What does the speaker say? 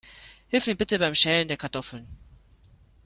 Hilf mir bitte beim Schälen der Kartoffeln.